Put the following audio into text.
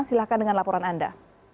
silahkan dengan laporan anda